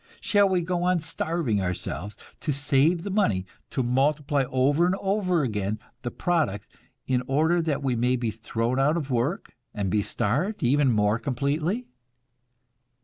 Shall we go on starving ourselves, to save the money, to multiply over and over again the products, in order that we may be thrown out of work, and be starved even more completely?